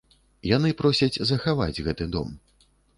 Яны просяць захаваць гэты дом.